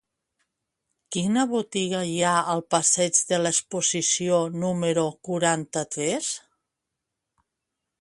Quina botiga hi ha al passeig de l'Exposició número quaranta-tres?